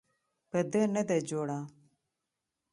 په ده نه ده جوړه.